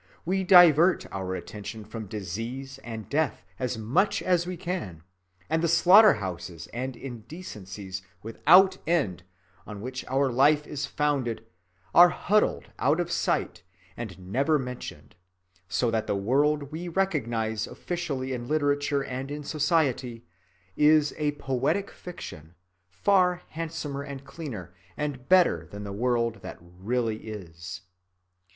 We divert our attention from disease and death as much as we can; and the slaughter‐ houses and indecencies without end on which our life is founded are huddled out of sight and never mentioned, so that the world we recognize officially in literature and in society is a poetic fiction far handsomer and cleaner and better than the world that really is.